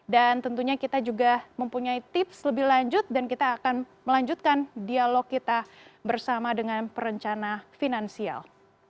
dan tentunya kita juga mempunyai tips lebih lanjut dan kita akan melanjutkan dialog kita bersama dengan perencana finansial